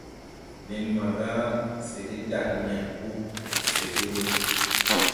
Nen maaga se de daʼ nãy po, se de re.